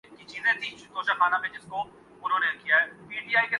ہماری سوچ ‘ ہمارے رویے پرانے ہیں۔